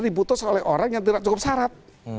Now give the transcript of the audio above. diputus oleh orang yang tidak cukup syarat